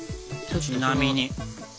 ちなみに。